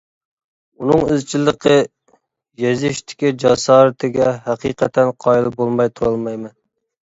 ئۇنىڭ ئىزچىللىقى، يېزىشتىكى جاسارىتىگە ھەقىقەتەن قايىل بولماي تۇرالمايمەن.